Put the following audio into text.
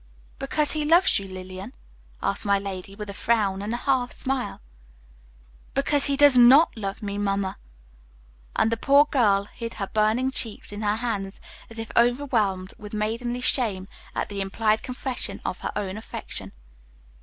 "Because he loves you, Lillian?" asked my lady, with a frown and a half smile. "Because he does not love me, Mamma." And the poor girl hid her burning cheeks in her hands, as if overwhelmed with maidenly shame at the implied confession of her own affection.